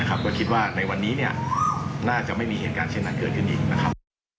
ก็คิดว่าในวันนี้น่าจะไม่มีเหตุการณ์เช่นนั้นเกิดขึ้นอีกนะครับ